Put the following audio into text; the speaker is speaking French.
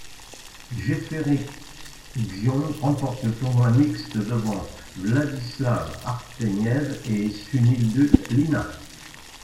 Jeffery Xiong remporte le tournoi mixte devant Vladislav Artemiev et Sunilduth Lyna.